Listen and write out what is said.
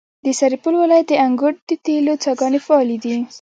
د سرپل ولایت د انګوت د تیلو څاګانې فعالې دي.